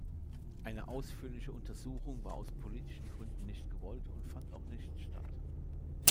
Eine ausführliche Untersuchung war aus politischen Gründen nicht gewollt und fand auch nicht statt.